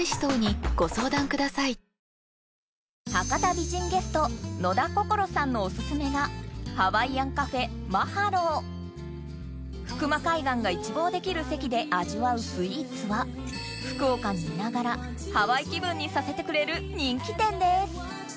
美人ゲストのだこころさんのオススメが福間海岸が一望できる席で味わうスイーツは福岡にいながらハワイ気分にさせてくれる人気店です